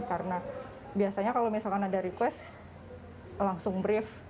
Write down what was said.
karena biasanya kalau misalkan ada request langsung brief